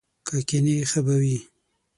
که کښېنې ښه به وي!